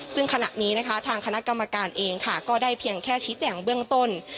ซึ่งขณะนี้นะคะทางคณะกรรมการเองค่ะก็ได้เพียงแค่ชี้แจงเบื้องต้น